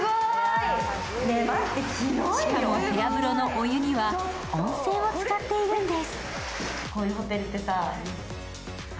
しかも部屋風呂のお湯には温泉を使っているんです。